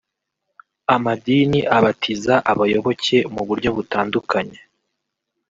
Amadini abatiza abayoboke mu buryo butandukanye